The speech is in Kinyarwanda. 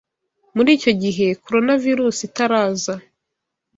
Muri icyo gihe, Coronavirusi itaraza